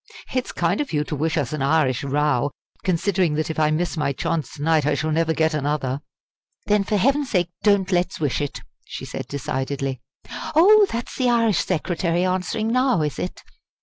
It's kind of you to wish us an Irish row! considering that if I miss my chance to night I shall never get another!" "Then for heaven's sake don't let's wish it!" she said decidedly. "Oh, that's the Irish Secretary answering now, is it?"